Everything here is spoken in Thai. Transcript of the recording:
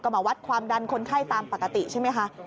มาวัดความดันคนไข้ตามปกติใช่ไหมคะ